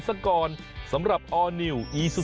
สวัสดีครับคุณพี่สวัสดีครับ